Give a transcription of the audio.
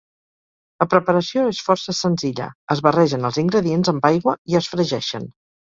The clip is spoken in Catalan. La preparació és força senzilla: es barregen els ingredients amb aigua i es fregeixen.